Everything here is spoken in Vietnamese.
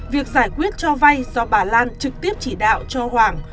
việc giải quyết cho vay do bà lan trực tiếp chỉ đạo cho hoàng